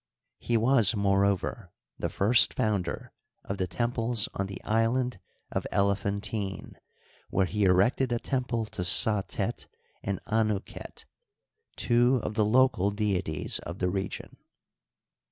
He was, moreover, the nrst founder of the temples on the Island of Elephantine, where he erected a temple to Satet and Anu ket, two of the local deities of the region.